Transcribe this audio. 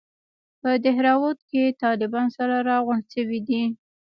په دهراوت کښې طالبان سره راغونډ سوي دي.